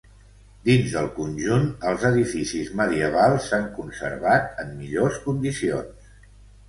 Dins del conjunt, els edificis medievals s'han conservat en millors condicions.